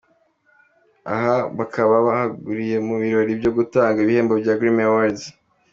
Aha bakaba barahuriye mu birori byo gutanga ibihembo bya Grammy Awards.